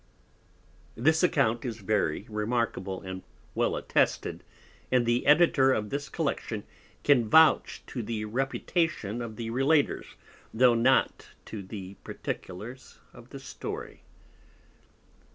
This Account is very remarkable, and well attested, and the Editor of this Collection can vouch to the Reputation of the Relators, tho' not to the Particulars of the Story.